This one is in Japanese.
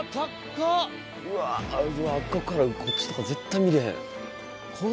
うわあっこからこっちとか絶対見れへん。